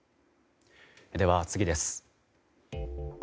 では、次です。